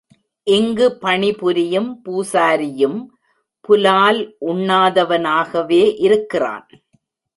இங்குப் பணிபுரியும் பூசாரி யும் புலால் உண்ணாதவனாகவே இருக்கிறான்.